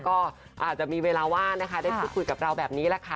ก็อาจจะมีเวลาว่างนะคะได้พูดคุยกับเราแบบนี้แหละค่ะ